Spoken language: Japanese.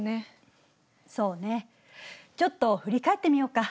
そうねちょっと振り返ってみようか。